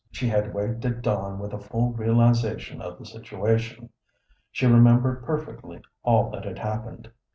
She had waked at dawn with a full realization of the situation. She remembered perfectly all that had happened.